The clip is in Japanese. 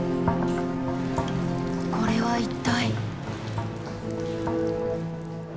これは一体？